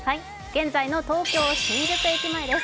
現在の東京・新宿駅前です。